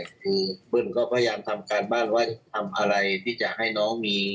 คือเบิ้ลก็พยายามทำการบ้านว่าทำอะไรที่จะให้น้องมี